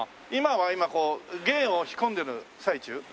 今はこう芸を仕込んでる最中？